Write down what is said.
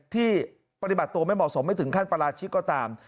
ที่ปฏิบัติตัวไม่เหมาะสมไม่ถึงขั้นปราชิกก็ตาม